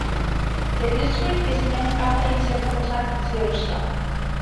The district is named after its headquarters, Sirsa.